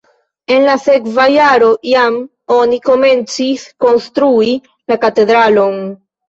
En la sekva jaro jam oni komencis konstrui la katedralon.